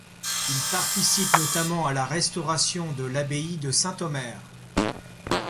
Il participe notamment à la restauration de l'abbaye de Saint-Omer.